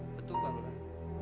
betul pak lurar